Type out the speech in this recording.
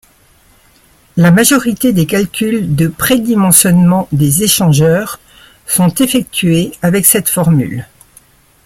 La majorité des calculs de pré-dimensionnement des échangeurs sont effectués avec cette formule.